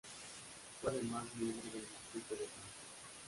Fue además miembro del Instituto de Francia.